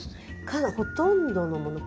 かなりほとんどのもの。